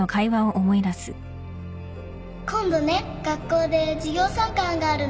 今度ね学校で授業参観があるの